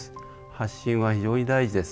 発信は非常に大事です。